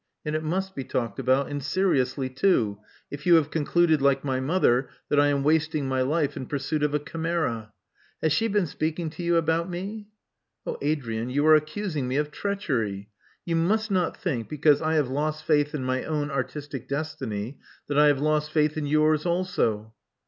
And it must be talked about, and seriously too, if you have concluded, like my mother, that I am wasting my life in pursuit of a chimera. Has she been speaking to you about me? *'0h, Adrian, you are accusing me of treachery. You must not think, because I have lost faith in my own artistic destiny, that I have lost faith in yours also.